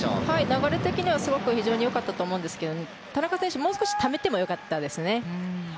流れ的にはすごく非常に良かったと思うんですけど田中選手、もう少しためても良かったですね。